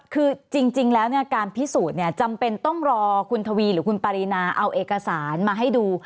คือจริงแล้วการพิสูจน์เนี่ยจำเป็นต้องรอคุณทวีหรือคุณปารีนาเอาเอกสารมาให้ดู